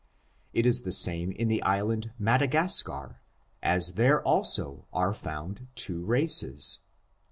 It is the same in the island Mada gascar, as there also are found two races.